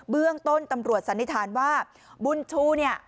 เบื้องต้นตำรวจสันนิษฐานว่าบุญชูเนี่ย